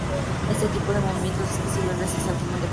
Este tipo de movimiento es posible gracias al timón de profundidad.